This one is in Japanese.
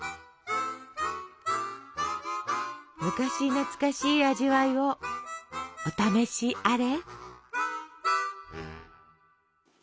昔懐かしい味わいをお試しあれ。